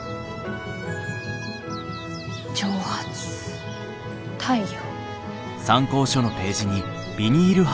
蒸発太陽。